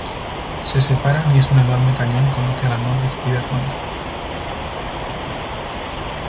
Se separan y es un enorme cañón conoce al amor de su vida Rhonda.